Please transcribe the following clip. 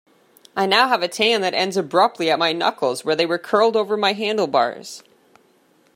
I now have a tan that ends abruptly at my knuckles where they were curled over my handlebars.